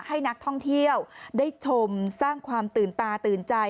ให้นักท่องเที่ยวได้ชมสร้างความตื่นตาตื่นใจ